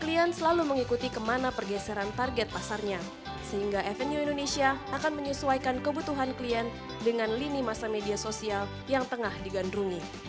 klien selalu mengikuti kemana pergeseran target pasarnya sehingga avenue indonesia akan menyesuaikan kebutuhan klien dengan lini masa media sosial yang tengah digandrungi